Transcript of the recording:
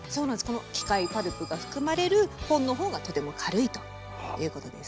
この機械パルプが含まれる本のほうがとても軽いということです。